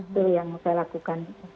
itu yang saya lakukan